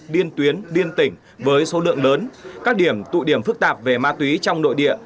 biên tuyến liên tỉnh với số lượng lớn các điểm tụ điểm phức tạp về ma túy trong nội địa